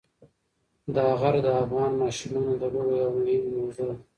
دا غر د افغان ماشومانو د لوبو یوه مهمه موضوع ده.